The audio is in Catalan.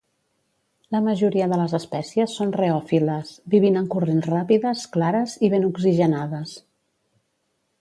La majoria de les espècies són reòfiles, vivint en corrents ràpides, clares i ben oxigenades.